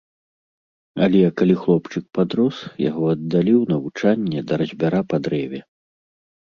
Але, калі хлопчык падрос, яго аддалі ў навучанне да разьбяра па дрэве.